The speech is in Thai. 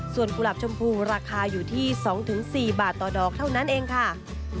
ส่วนกุหลาบชมพูราคาอยู่ที่๒๔บาทต่อดอกเท่านั้นเองค่ะ